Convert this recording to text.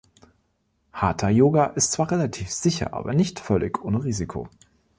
Hatha Yoga ist zwar relativ sicher, aber nicht völlig ohne Risiko.